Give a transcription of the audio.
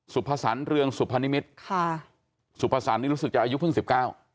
สุภสรรเรืองสุพนิมิตรค่ะสุภสรรคนี่รู้สึกจะอายุเพิ่งสิบเก้า